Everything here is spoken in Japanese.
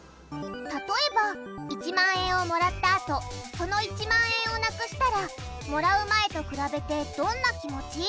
例えば１万円をもらったあとその１万円をなくしたらもらう前と比べてどんな気持ち？